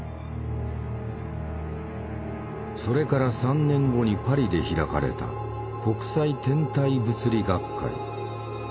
それから３年後にパリで開かれた国際天体物理学会。